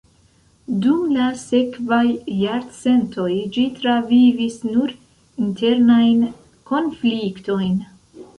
Dum la sekvaj jarcentoj ĝi travivis nur internajn konfliktojn.